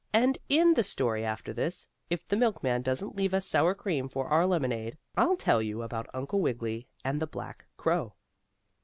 And in the story after this, if the milkman doesn't leave us sour cream for our lemonade, I'll tell you about Uncle Wiggily and the black crow.